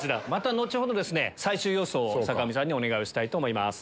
後ほど最終予想を坂上さんにお願いしたいと思います。